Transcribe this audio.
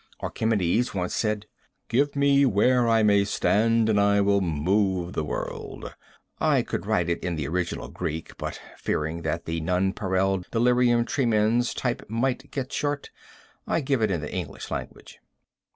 Archimedes once said: "Give me where I may stand, and I will move the world." I could write it in the original Greek, but, fearing that the nonpareil delirium tremens type might get short, I give it in the English language.